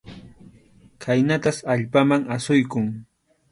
Khaynatas allpaman asuykun.